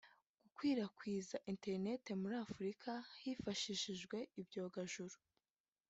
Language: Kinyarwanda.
Gukwirakwiza internet muri Afurika hifashishijwe ibyogajuru